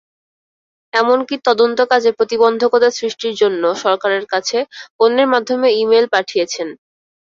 এমনকি তদন্তকাজে প্রতিবন্ধকতা সৃষ্টির জন্য সরকারের কাছে অন্যের মাধ্যমে ই-মেইল পাঠিয়েছেন।